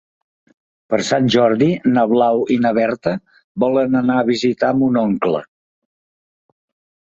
Per Sant Jordi na Blau i na Berta volen anar a visitar mon oncle.